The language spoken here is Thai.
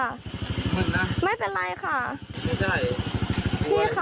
อุ้ยทีนี้มันน่ากลัวเหลือเกินค่ะ